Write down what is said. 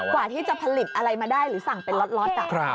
กว่าที่จะผลิตอะไรมาได้หรือสั่งเป็นล็อต